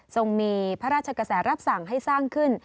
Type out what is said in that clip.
ทรงมีพระราชกษรัพย์สั่งให้สร้างขึ้น